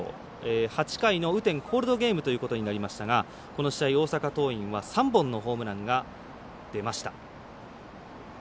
８回、雨天コールドゲームとなりましたが大阪桐蔭は３本のホームランが出ました。